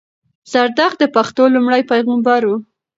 زردښت د پښتنو لومړی پېغمبر وو